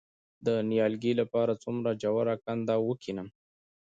د نیالګي لپاره څومره ژوره کنده وکینم؟